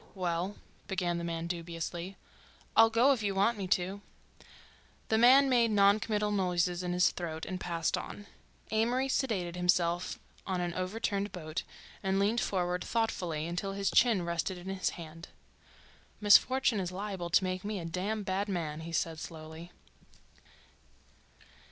"Well—" began the man dubiously. "I'll go if you want me to." The man made non committal noises in his throat and passed on. Amory seated himself on an overturned boat and leaned forward thoughtfully until his chin rested in his hand. "Misfortune is liable to make me a damn bad man," he said slowly.